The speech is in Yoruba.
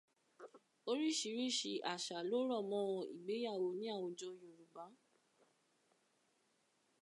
Oríṣiríṣi àṣà ló rọ̀ mọ́ ìgbéyàwó ní àwùjọ Yorùbá.